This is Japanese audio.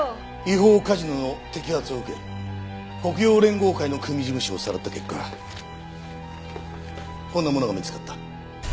違法カジノの摘発を受け黒洋連合会の組事務所をさらった結果こんなものが見つかった。